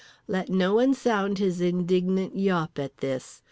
Let no one sound his indignant yawp at this.